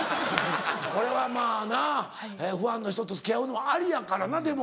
これはまぁなファンの人と付き合うのもありやからなでも。